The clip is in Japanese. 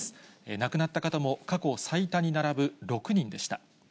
亡くなった方も過去最多に並ぶ６人でした。